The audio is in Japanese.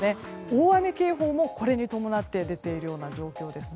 大雨警報もこれに伴って出ている状況です。